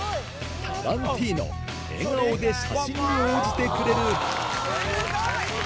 タランティーノ笑顔で写真に応じてくれるスゴい！